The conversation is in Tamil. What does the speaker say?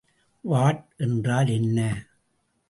வாட் என்றால் என்ன?